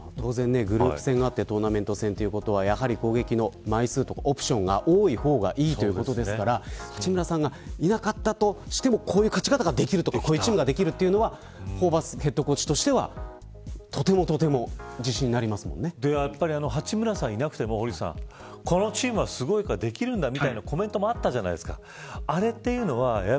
当然グループ戦があってトーナメント戦ということは攻撃の枚数とかオプションが多い方がいいということですから八村さんがいなかったとしてもこういう勝ち方ができるとかこういうチームができるというのはホーバスヘッドコーチとしても八村さんがいなくてもこのチームはすごいからできるんだみなたいなコメントあったじゃないですか。